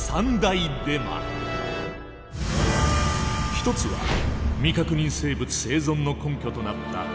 一つは未確認生物生存の根拠となった捏造写真。